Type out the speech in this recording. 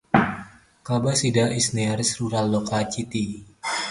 Kabasida is the nearest rural locality.